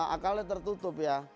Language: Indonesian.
akalnya tertutup ya